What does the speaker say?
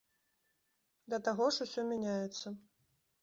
Да таго ж усё мяняецца.